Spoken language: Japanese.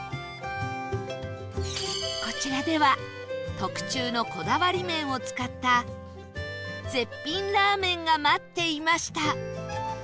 こちらでは特注のこだわり麺を使った絶品ラーメンが待っていました